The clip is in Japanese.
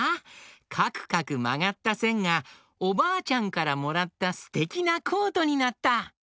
かくかくまがったせんがおばあちゃんからもらったすてきなコートになった！